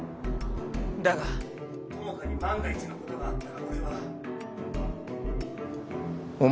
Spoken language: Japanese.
だが友果に万が一のことがあったら俺は